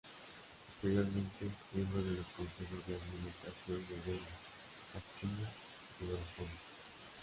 Posteriormente, miembro de los consejos de administración de Iberia, Acciona y Vodafone.